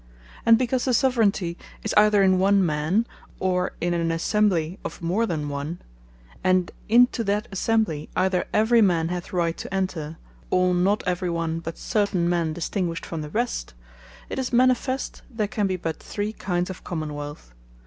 And because the Soveraignty is either in one Man, or in an Assembly of more than one; and into that Assembly either Every man hath right to enter, or not every one, but Certain men distinguished from the rest; it is manifest, there can be but Three kinds of Common wealth.